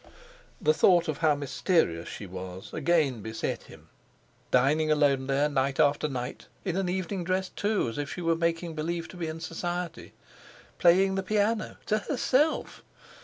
The thought of how mysterious she was again beset him. Dining alone there night after night—in an evening dress, too, as if she were making believe to be in society! Playing the piano—to herself!